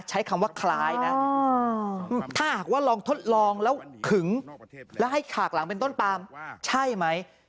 ใช้คำว่าคล้ายนะถ้าหากว่าลองทดลองแล้วขึงแล้วให้ฉากหลังเป็นต้นปามใช่ไหม